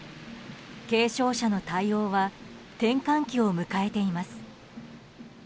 軽症者の対応は転換期を迎えています。